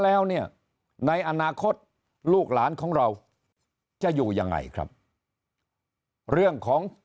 แล้วเนี่ยในอนาคตลูกหลานของเราจะอยู่ยังไงครับเรื่องของ